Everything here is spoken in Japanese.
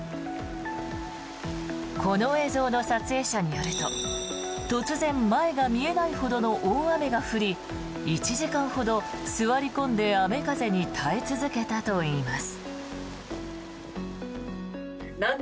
この映像の撮影者によると突然、前が見えないほどの大雨が降り１時間ほど座り込んで雨風に耐え続けたといいます。